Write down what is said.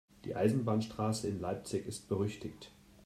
Die Eisenbahnstraße in Leipzig ist berüchtigt.